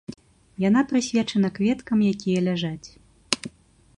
Яна прысвечана кветкам, якія ляжаць.